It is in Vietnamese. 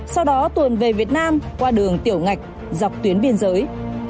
sau đó tuồn về việt nam qua đường tiểu ngạch dọc tuyến biên giới